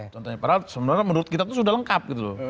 contohnya padahal sebenarnya menurut kita itu sudah lengkap